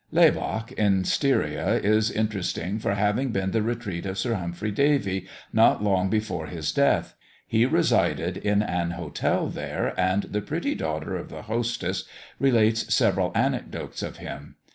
Laybach, in Styria, is interesting, for having been the retreat of Sir Humphry Davy not long before his death: he resided in an hotel here, and the pretty daughter of the hostess relates several anecdotes of him.